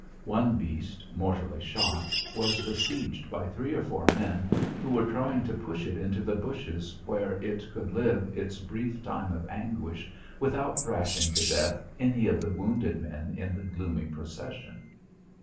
One beast mortally shot, was besieged by three or four men who were trying to push it into the bushes, where it could live its brief time of anguish without thrashing to death any of the wounded men in the gloomy procession.